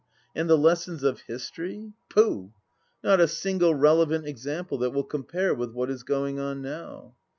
And the lessons of history, pooh 1 not a single relevant example that will compare with what is going on now.